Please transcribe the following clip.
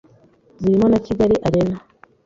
zirimo na Kigali Arena.